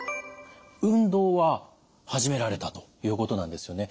運動は始められたということなんですよね。